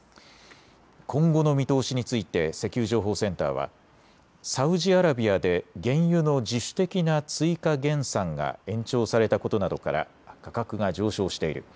今後の見通しについて、石油情報センターは、サウジアラビアで原油の自主的な追加減産が延長されたことなどから、価格が上昇している。